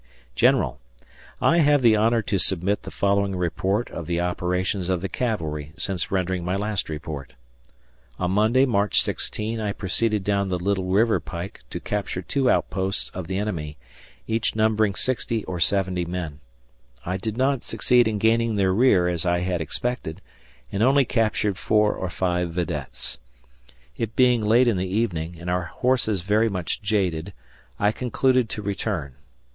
General: I have the honor to submit the following report of the operations of the cavalry since rendering my last report. On Monday, March 16, I proceeded down the Little River pike to capture two outposts of the enemy, each numbering 60 or 70 men. I did not succeed in gaining their rear as I had expected, and only captured 4 or 5 videttes. It being late in the evening, and our horses very much jaded, I concluded to return.